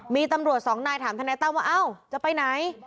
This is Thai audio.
มีตำรวจสองนายถามทนายตั้มว่าเอ้าจะไปไหน